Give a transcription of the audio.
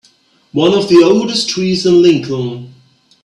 One of the oldest trees in Lincoln.